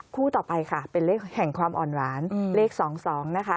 คู่ต่อไปค่ะเป็นเลขแห่งความอ่อนหวานเลข๒๒นะคะ